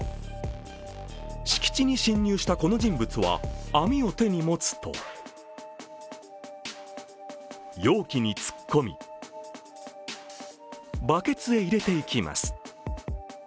敷地に侵入したこの人物は、網を手に持つと容器に突っ込み、バケツへ入れていきます。